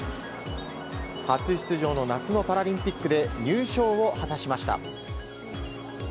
初出場の夏のパラリンピックで入賞を果たしました。